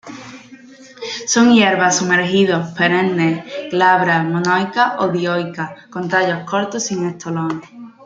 Son hierbas sumergidos, perennes, glabras, monoicas o dioicas con tallos cortos, sin estolones.